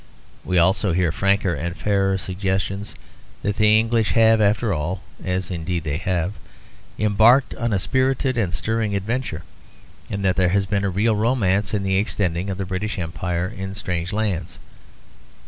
We also hear franker and fairer suggestions that the English have after all (as indeed they have) embarked on a spirited and stirring adventure; and that there has been a real romance in the extending of the British Empire in strange lands.